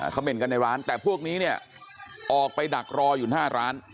เมนต์กันในร้านแต่พวกนี้เนี่ยออกไปดักรออยู่หน้าร้าน